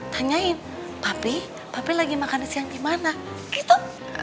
tanyain papi papi lagi makan siang di mana gitu